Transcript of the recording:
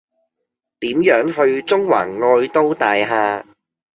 點樣去中環愛都大廈